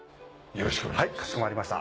よろしくお願いします。